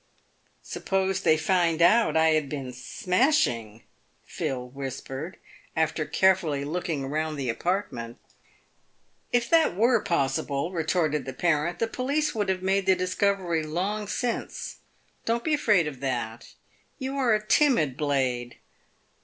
" Suppose they found out I had been smashing"* Phil whispered, after carefully looking around the apartment. " If that were possible," retorted the parent, " the police would have made the discovery long since. Don't be afraid of that. You are a timid blade."